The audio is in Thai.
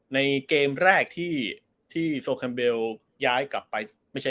ในเกมแรกที่โซเคมเบลย้ายกลับไป